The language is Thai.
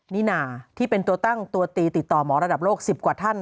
นี่น่าที่เป็นตัวตั้งตัวตีติดต่อหมอระดับโลก๑๐กว่าท่าน